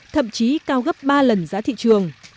thậm chí cao gấp ba lần giá thị trường